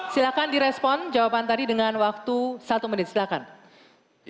silakan di respon jawaban tadi dengan waktu satu menit silakan